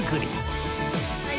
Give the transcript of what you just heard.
はい。